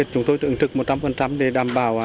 chúng tôi tưởng trực một trăm linh để đảm bảo